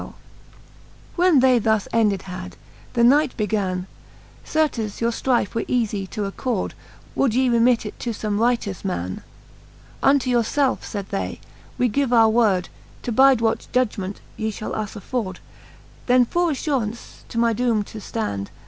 XVL When they thus ended had, the knight began j Certes your ftrife were eafie to accord, Would ye remit it to fome righteous man. Unto yourfelfe, faid they, we give our word, To bide what judement ye fhall us afford. Then for affuraunce to my doome to ftand.